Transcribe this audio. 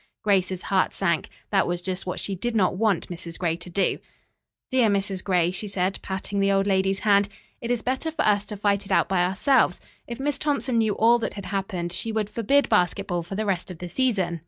Grace's heart sank. That was just what she did not want Mrs. Gray to do. "Dear Mrs. Gray," she said, patting the old lady's hand, "it is better for us to fight it out by ourselves. If Miss Thompson knew all that had happened, she would forbid basketball for the rest of the season.